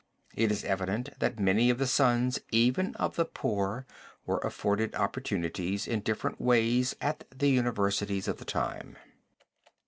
It is evident that many of the sons even of the poor were afforded opportunities in different ways at the universities of the time.